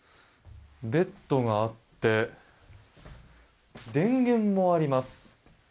ベッドがあって電源もあります。